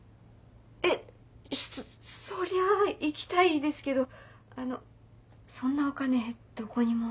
そそりゃ行きたいですけどあのそんなお金どこにも。